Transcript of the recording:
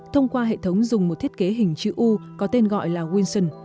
thông qua hệ thống dùng một thiết kế hình chữ u có tên gọi là winson